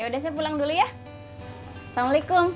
udah saya pulang dulu ya assalamualaikum